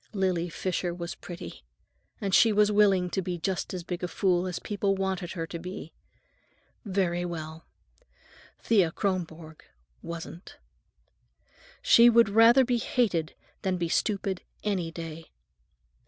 Lily Fisher was pretty, and she was willing to be just as big a fool as people wanted her to be. Very well; Thea Kronborg wasn't. She would rather be hated than be stupid, any day.